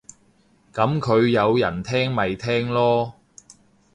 噉佢有人聽咪聽囉